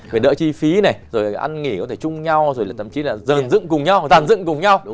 phải đỡ chi phí này rồi ăn nghỉ có thể chung nhau rồi tậm chí là dần dựng cùng nhau dần dựng cùng nhau